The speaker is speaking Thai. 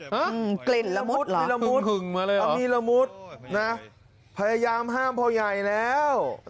กลิ่นละมุดเหรอมีละมุดหึงมาเลยมีละมุดนะพยายามห้ามพ่อใหญ่แล้ว